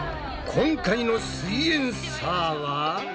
今回の「すイエんサー」は？